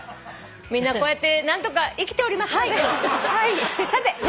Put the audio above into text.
みんなこうやって何とか生きておりますので。